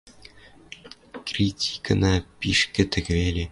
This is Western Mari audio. Критикына пиш кӹтӹк веле.